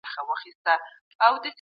د اوبو څښل د وجود پاکي ده.